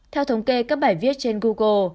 theo thống kê các bài viết trên google